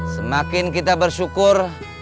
semakin kita bersyukur